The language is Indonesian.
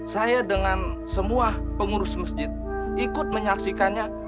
saya dengan semua pengurus masjid ikut menyaksikannya